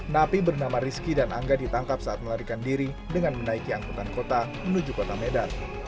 napi bernama rizky dan angga ditangkap saat melarikan diri dengan menaiki angkutan kota menuju kota medan